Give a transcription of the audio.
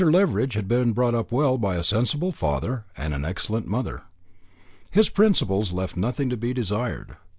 Leveridge had been brought up well by a sensible father and an excellent mother. His principles left nothing to be desired.